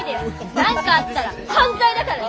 何かあったら犯罪だからね！